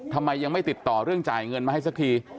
ทำไมยังไม่ติดต่อเรื่องจ่ายเงินมาให้สักที